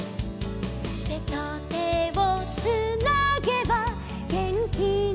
「てとてをつなげばげんきがでるのさ」